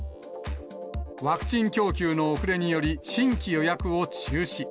ワクチン供給の遅れにより、新規予約を中止。